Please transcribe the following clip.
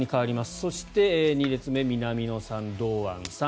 そして２列目南野さん、堂安さん